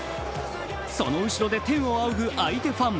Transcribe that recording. その後ろで天を仰ぐ相手ファン。